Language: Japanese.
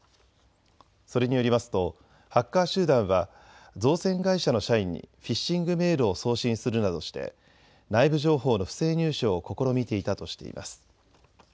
それによりますとハッカー集団は造船会社の社員にフィッシングメールを送信するなどして内部情報の不正入手を試みていたとしています。